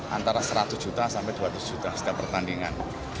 antara seratus juta sampai dua ratus juta setiap pertandingan